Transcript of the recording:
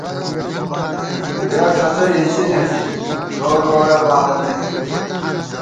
دُویہ ݭڅَئی اِڅِنےݪی ، لوگہ ووڑَئی بالَمېت